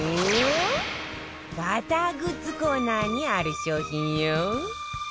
バターグッズコーナーにある商品よ